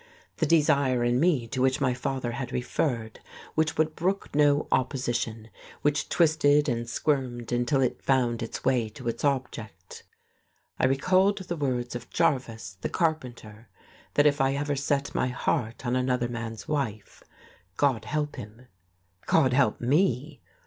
The desire in me to which my father had referred, which would brook no opposition, which twisted and squirmed until it found its way to its object? I recalled the words of Jarvis, the carpenter, that if I ever set my heart on another man's wife, God help him. God help me!